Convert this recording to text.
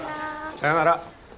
さよなら。